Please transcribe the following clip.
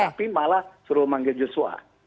tapi malah suruh manggil yuswa